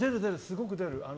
すごく出る。